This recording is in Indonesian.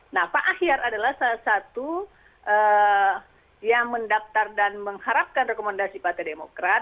nah pak ahyar adalah salah satu yang mendaftar dan mengharapkan rekomendasi partai demokrat